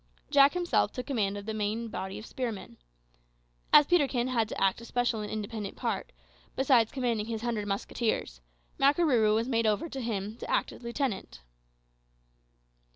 Jack himself took command of the main body of spearmen. As Peterkin had to act a special and independent part, besides commanding his hundred musketeers, Makarooroo was made over to him, to act as lieutenant.